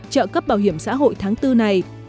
trợ cấp bảo hiểm xã hội tháng bốn này